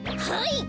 はい！